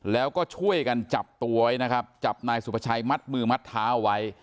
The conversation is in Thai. แล้วก็ช่วยกันจับตัวไว้นะครับจับนายสุภาชัยมัดมือมัดเท้าเอาไว้